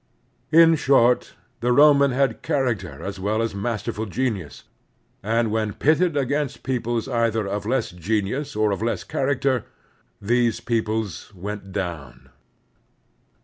In short, the Roman had character as well as masterftil genius, and when pitted against peoples either of less genius or of less character, these peoples went down.